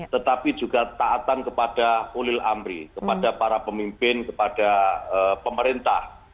tetapi juga taatan kepada ulil amri kepada para pemimpin kepada pemerintah